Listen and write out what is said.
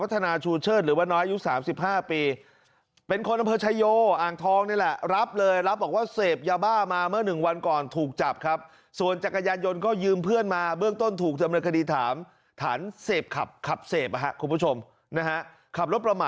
แต่เขาก็ลงวิ่งแต่ก็บันนี้ผมก็ลงวิ่งไล่